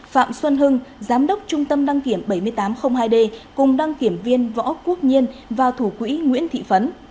phạm xuân hưng giám đốc trung tâm đăng kiểm bảy nghìn tám trăm linh hai d cùng đăng kiểm viên võ quốc nhiên và thủ quỹ nguyễn thị phấn